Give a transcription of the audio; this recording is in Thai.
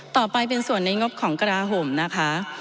ต่อไปเป็นส่วนในงบของกระดาห่มนะคะ